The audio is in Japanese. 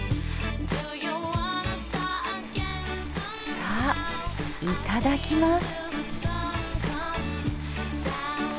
さあいただきます。